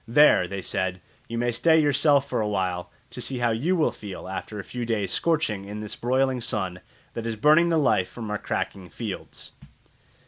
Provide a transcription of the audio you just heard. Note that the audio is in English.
"There," they said, "you may stay yourself for a while, to see how you will feel after a few days' scorching in this broiling sun that is burning the life from our cracking fields."